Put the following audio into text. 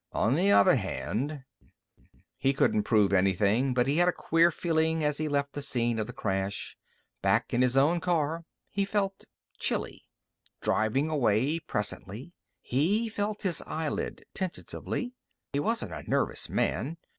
On the other hand He couldn't prove anything, but he had a queer feeling as he left the scene of the crash. Back in his own car he felt chilly. Driving away, presently, he felt his eyelid tentatively. He wasn't a nervous man.